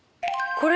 これ？